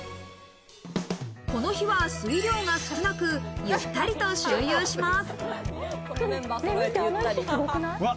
この日は水量が少なく、ゆったりと周遊します。